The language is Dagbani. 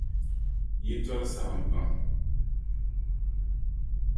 Yi tɔri saɣim pam.